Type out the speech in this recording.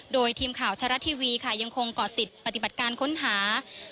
โดยทีมข่าวไทยรัฐทีวีค่ะยังคงเกาะติดปฏิบัติการค้นหา